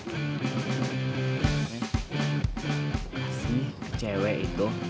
kasih ke cewek itu